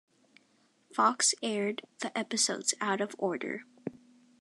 Fox aired the episodes out of order.